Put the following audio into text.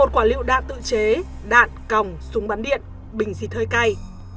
một quả liệu đạn tự chế đạn còng súng bắn điện bình xịt hơi cay